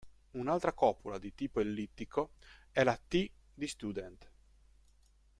Un'altra copula di tipo ellittico è la t di Student.